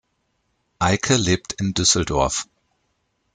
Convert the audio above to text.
Eicke lebt in Düsseldorf.